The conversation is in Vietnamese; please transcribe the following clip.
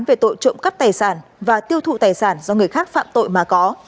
về tội trộm cắp tài sản và tiêu thụ tài sản do người khác phạm tội mà có